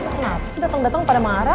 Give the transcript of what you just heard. kenapa sih dateng dateng pada marah